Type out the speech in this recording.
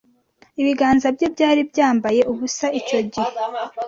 Ibiganza bye byari byambaye ubusa icyo gihe